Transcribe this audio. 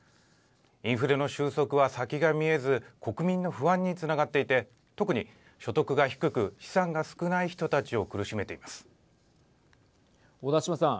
インフレの収束は先が見えず国民の不安につながっていて特に所得が低く資産が少ない人たちを小田島さん。